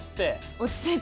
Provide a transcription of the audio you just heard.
落ち着いて。